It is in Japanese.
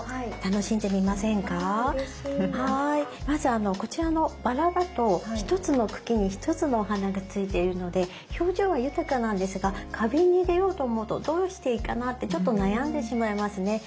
まずこちらのバラだと一つの茎に一つのお花がついているので表情は豊かなんですが花瓶に入れようと思うとどうしていいかなってちょっと悩んでしまいますね。